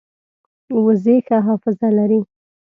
وزې ښه حافظه لري